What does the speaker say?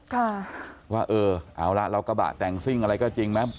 ค่ะว่าเออเอาละเรากระบะแต่งซิ่งอะไรก็จริงไหม